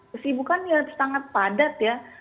kesibukan ya sangat padat ya